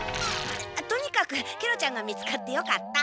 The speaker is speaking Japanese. とにかくケロちゃんが見つかってよかった。